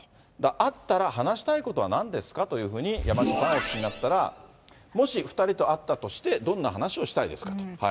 会ったら話したいことはなんですかというふうに山下さんはお聞きになったら、もし２人と会ったとして、どんな話をしたいですかと。